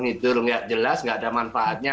itu jelas tidak ada manfaatnya